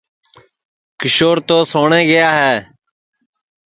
کیشور تو سوٹؔے گیا ہے